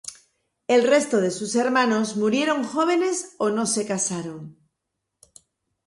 El resto de sus hermanos murieron jóvenes o no se casaron.